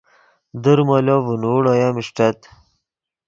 در مولو ڤینوڑ اویم اݰٹت